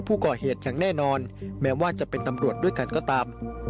ผู้ก่อเหตุอย่างแน่นอนแม้ว่าจะเป็นตำรวจด้วยกันก็ตาม